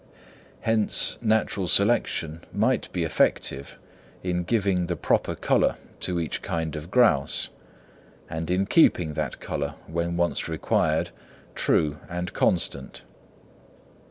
Hence natural selection might be effective in giving the proper colour to each kind of grouse, and in keeping that colour, when once acquired, true and constant.